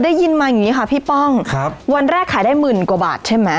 ได้ยินมาอย่างงี้ค่ะพี่ป้องครับวันแรกขายได้หมื่นกว่าบาทใช่ไหม